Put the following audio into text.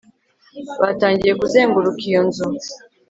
batangiye kuzenguruka iyo nzu